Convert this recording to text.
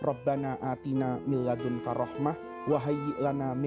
untuk selalu ingat berfikir pada hari jumat